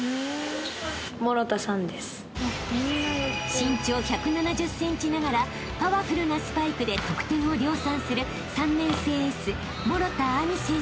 ［身長１７０ｃｍながらパワフルなスパイクで得点を量産する３年生エース］